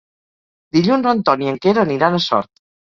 Dilluns en Ton i en Quer aniran a Sort.